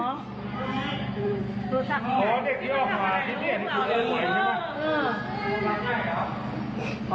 น้องหลายไปเล่นไหม